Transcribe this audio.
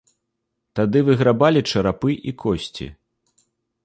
Тады выграбалі чарапы і косці.